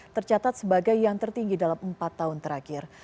tercatat sebagai yang tertinggi dalam empat tahun terakhir